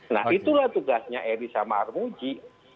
nah itulah tugasnya eri sama armuji